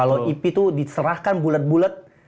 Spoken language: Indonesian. kalau ip itu diserahkan bulet bulet